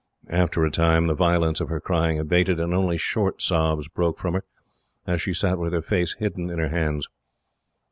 After a time, the violence of her crying abated, and only short sobs broke from her, as she sat with her face hidden in her hands.